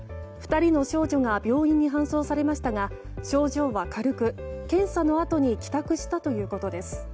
２人の少女が病院に搬送されましたが症状は軽く検査のあとに帰宅したということです。